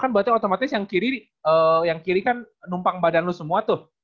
kan berarti otomatis yang kiri kan numpang badan lu semua tuh